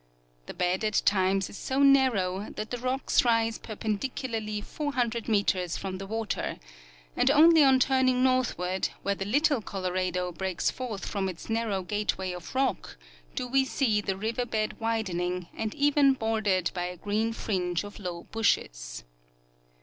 The bed at times is so narrow that the rocks rise perpendicularly 400 meters from the water, and only on turning northward, where the Little Colorado breaks forth from its narrow gateway of rock, do we see the river bed widening and even bordered by a green fringe of low bushes.